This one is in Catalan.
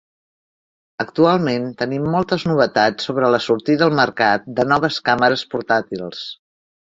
Actualment tenim moltes novetats sobre la sortida al mercat de noves càmeres portàtils.